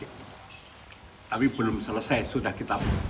tapi belum selesai sudah kita